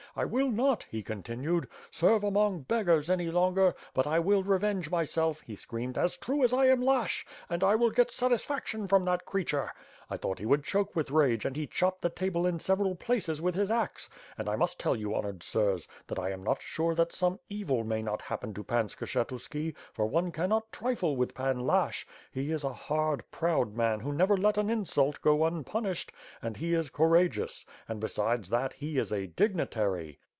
I will not," he continued, "serve among beggars any longer, but I will re venge myself,' he screamed, *as true as I am Lashch, and I will get satisfaction from that creature!' I thought he would choke with rage and he chopped the table in several places with his axe. And I must iell you, honored sirs, that I am not sure that some evil may not happen to Pan Skshetuski, for one cannot trifle with Pan Lashch. He is a hard, proud man who never let an insult go unpunished, and he is coura geous; and, besides that, he is a 'dignitary.'